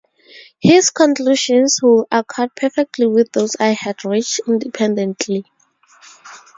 His conclusions would accord perfectly with those I had reached independently.